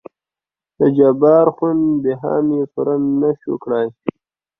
دجبار خون بها مې پوره نه شوى کړى.